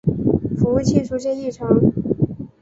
服务器出现异常